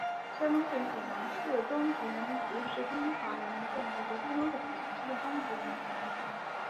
山东省济南市中级人民法院是中华人民共和国山东省济南市的中级人民法院。